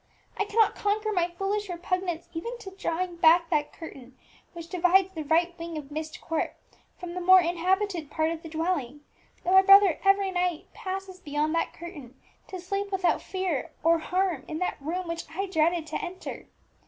I cannot conquer my foolish repugnance even to drawing back that curtain which divides the right wing of Myst Court from the more inhabited part of the dwelling, though my brother every night passes beyond that curtain to sleep without fear or harm in that room which I dreaded to enter.